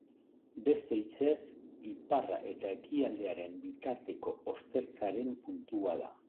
Beste hitzez, iparra eta ekialdearen bitarteko ostertzaren puntua da.